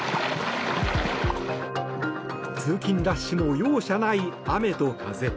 通勤ラッシュの容赦ない雨と風。